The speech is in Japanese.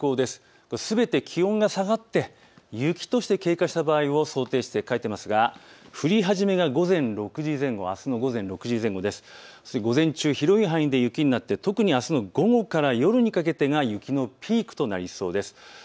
すべて気温が下がって雪として経過した場合を想定して書いていますが降り始めが午前６時前後、午前中、広い範囲で雪になって特にあすの午後から夜にかけてが雪のピークとなりそうです。